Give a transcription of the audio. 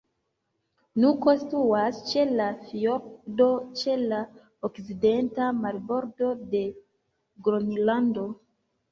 Nuko situas ĉe la fjordo ĉe la okcidenta marbordo de Gronlando.